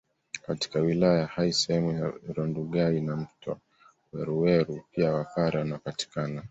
Katika wilaya ya Hai sehemu za Rundugai na mto Weruweru pia wapare wanapatikana